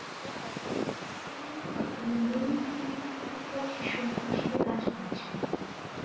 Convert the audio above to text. অবসরগ্রহণের পর তিনি নিয়মিত টিভিতে ফুটবল বিশেষজ্ঞ হিসেবে কাজ করছেন।